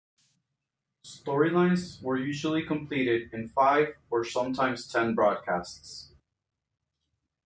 Storylines were usually completed in five, or sometimes ten broadcasts.